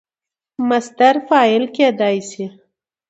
مصدر فاعل کېدای سي.